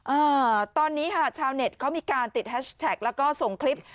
อ่าตอนนี้ค่ะชาวเน็ตเขามีการติดแฮชแท็กแล้วก็ส่งคลิป